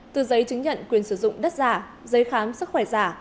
từ giấy chứng nhận quyền sử dụng đất giả giấy khám sức khỏe giả